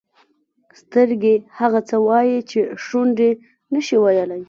سترګې هغه څه وایي چې شونډې نه شي ویلای.